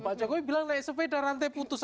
pak jokowi bilang naik sepeda rantai putus